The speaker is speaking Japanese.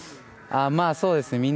まぁ、そうですね。